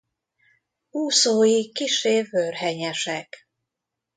Úszói kissé vörhenyesek.